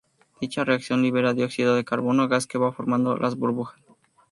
Dicha reacción libera dióxido de carbono, gas que va formando las burbujas.